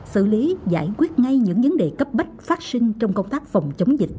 xử lý giải quyết ngay những vấn đề cấp bách phát sinh trong công tác phòng chống dịch